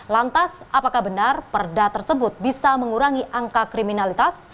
lantas apakah benar perda tersebut bisa mengurangi angka kriminalitas